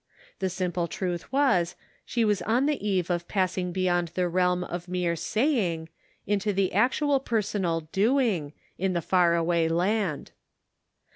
The simple truth was, she was on the eve of passing beyond the realm of mere saying into the actual per sonal doing, in the far away land.